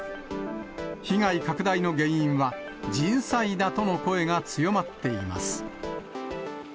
被害拡大の原因は、人災だとの声が強まっています。